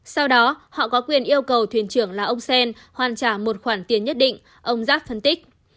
sau đó họ có quyền yêu cầu thuyền trưởng là ông sen hoàn trả một khoản tiền nhất định ông giáp phân tích